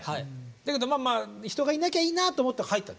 だけどまあ人がいなきゃいいなと思って入ったの。